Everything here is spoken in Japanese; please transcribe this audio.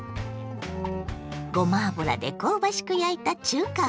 ごま油で香ばしく焼いた中華風ソテー。